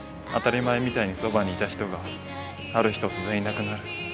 当たり前みたいにそばにいた人がある日突然いなくなる。